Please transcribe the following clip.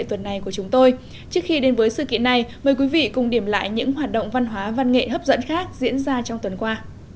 trước khi đến với sự kiện này mời quý vị cùng điểm lại những hoạt động văn hóa văn nghệ hấp dẫn khác diễn ra trong tuần qua